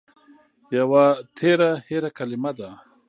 يوه تېره هېره کلمه ده